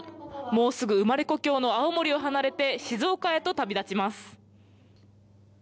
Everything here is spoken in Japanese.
もうすぐ生まれ故郷の青森を離れて静岡へと旅立ちます。